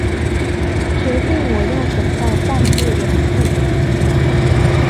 決定我要等到半夜兩點